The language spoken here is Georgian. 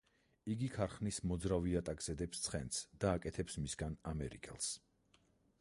იგი ქარხნის მოძრავ იატაკზე დებს ცხენს და აკეთებს მისგან ამერიკელს.